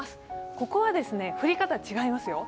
ここは降り方、違いますよ。